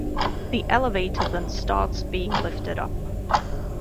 The elevator then starts being lifted up.